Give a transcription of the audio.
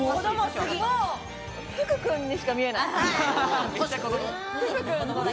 福君にしか見えない。